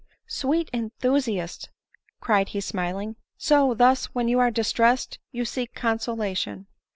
" Sweet enthusiast !" cried he smiling :" so, thus, when you are distressed, you seek consolation."